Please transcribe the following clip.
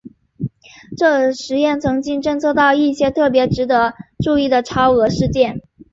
这实验曾经侦测到一些特别值得注意的超额事件。